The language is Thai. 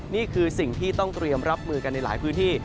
นี่คือสิ่งที่ต้องเตรียมรับมือกันในหลายพื้นที่